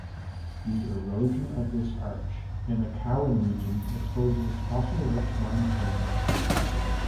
The erosion of this arch in the Cowan region exposes fossil-rich limestone.